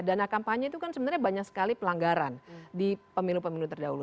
dana kampanye itu kan sebenarnya banyak sekali pelanggaran di pemilu pemilu terdahulu